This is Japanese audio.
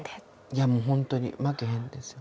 いやもう本当に「負けへんで」ですよ。